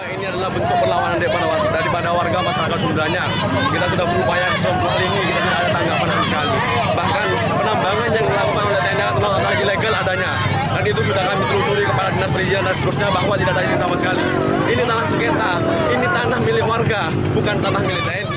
ini tanah milik warga bukan tanah milik daerah ini